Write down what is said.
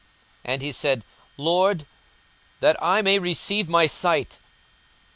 And he said, Lord, that I may receive my sight.